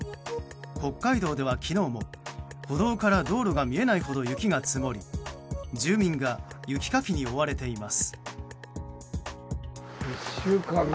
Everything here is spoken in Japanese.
北海道では昨日も、歩道から道路が見えないほど雪が積もり住民が雪かきに追われています。